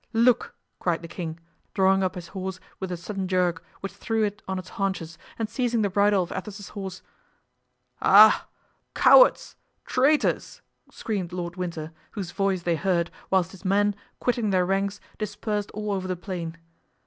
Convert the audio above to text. look!" cried the king, drawing up his horse with a sudden jerk, which threw it on its haunches, and seizing the bridle of Athos's horse. "Ah, cowards! traitors!" screamed Lord Winter, whose voice they heard, whilst his men, quitting their ranks, dispersed all over the plain.